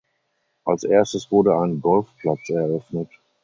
Als erstes wurde ein Golfplatz eröffnet.